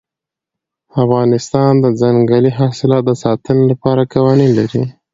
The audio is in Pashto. افغانستان د ځنګلي حاصلاتو د ساتنې لپاره قوانین لري.